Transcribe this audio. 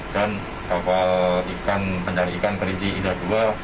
dan kapal penjaga ikan kerinci indah dua